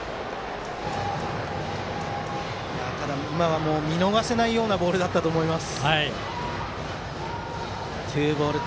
ただ、今は見逃せないようなボールだったと思います。